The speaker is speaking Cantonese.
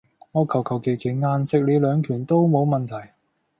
我求求其其硬食你兩拳都冇問題